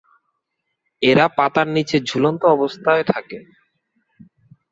এরা পাতার নিচে ঝুলন্ত অবস্থায় থাকে।